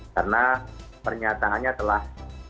karena pernyataannya telah